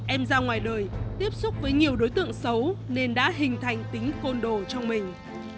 em ra ngoài đời tiếp xúc với nhiều đối tượng xấu nên đã hình thành tính côn đồ trong mình